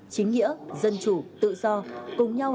chính nghĩa dân chủ tự do cùng nhau